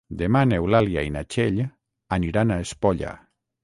Demà n'Eulàlia i na Txell aniran a Espolla.